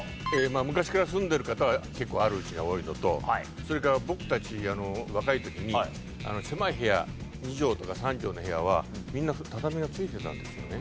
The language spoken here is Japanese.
昔から住んでる方は結構あるうちが多いのとそれから僕たち若い時に狭い部屋２畳とか３畳の部屋はみんな畳が付いてたんですよね。